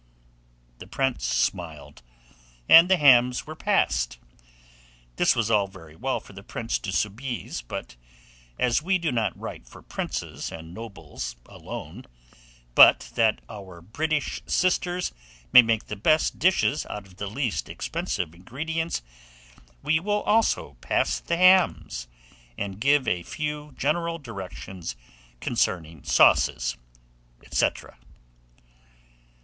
The prince smiled, and the hams were passed. This was all very well for the prince de Soubise; but as we do not write for princes and nobles alone, but that our British sisters may make the best dishes out of the least expensive ingredients, we will also pass the hams, and give a few general directions concerning Sauces, &c. 355.